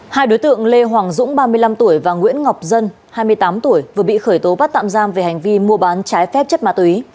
hai đối tượng lê hoàng dũng ba mươi năm tuổi và nguyễn ngọc dân hai mươi tám tuổi vừa bị khởi tố bắt tạm giam về hành vi mua bán trái phép chất ma túy